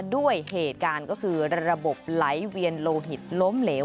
ด้วยเหตุการณ์ก็คือระบบไหลเวียนโลหิตล้มเหลว